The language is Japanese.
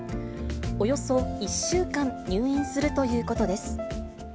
およそ１週間、入院するということです。